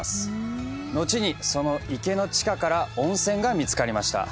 のちに、その池の地下から温泉が見付かりました。